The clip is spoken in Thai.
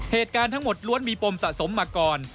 เหตุการณ์ทั้งหมดล้วนมีปมสะสมมาก่อน